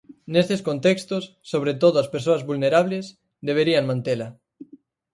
Nestes contextos, sobre todo as persoas vulnerables, deberían mantela.